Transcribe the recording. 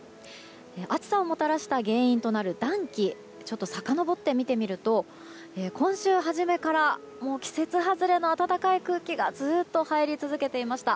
暑さをもたらした原因となる暖気をちょっとさかのぼって見てみると今週初めから季節外れの暖かい空気がずっと入り続けていました。